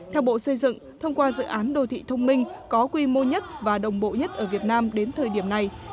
theo bộ xây dựng thông qua dự án đô thị thông minh có quy mô nhất và đồng bộ nhất ở việt nam đến thời điểm này